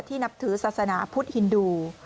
นับถือศาสนาพุทธฮินดู